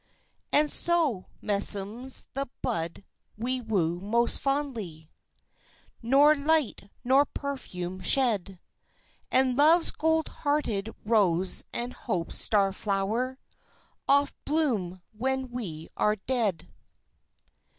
And so, meseems, the buds we woo most fondly Nor light nor perfume shed; And Love's gold hearted rose and Hope's star flower Oft bloom when we are dead.